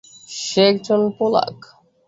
সে একজন পোলাক।